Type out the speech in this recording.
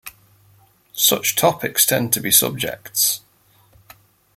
Such topics tend to be subjects.